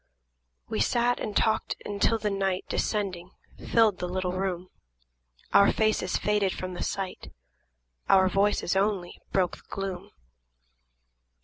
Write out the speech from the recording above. We sat and talked until the night, Descending, filled the little room; Our faces faded from the sight, – Our voices only broke the gloom.